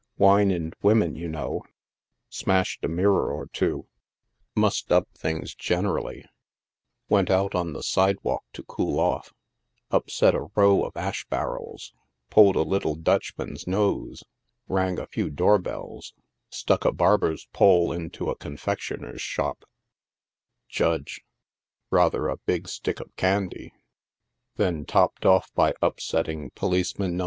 Wine and women, you know — smashed a mirror or two — mussed up things 48 NIGHT SIDE OF NEW YORK.' generally ; went out on the sidewalk to cool off— up set a row of ash barrels — pulled a little Dutchman's nose — rang a few door bells — stuck a barber's pole into a confectioner's shop — (Judge: u Rather a big stick of candy,") then topped off by upsetting police man No.